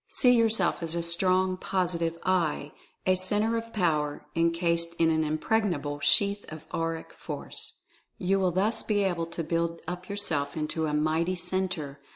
See yourself as a strong Positive "I" a Centre of Power — encased in an Impregnable Sheath of Auric Force. You will thus be able to build up yourself into a mighty Centre.